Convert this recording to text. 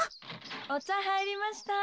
・おちゃはいりました。